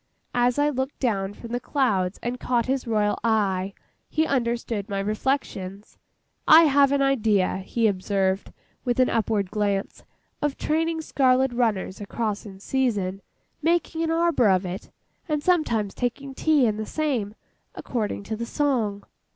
As I looked down from the clouds and caught his royal eye, he understood my reflections. 'I have an idea,' he observed, with an upward glance, 'of training scarlet runners across in the season,—making a arbour of it,—and sometimes taking tea in the same, according to the song.